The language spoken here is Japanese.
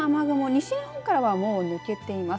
西日本からはもう抜けています。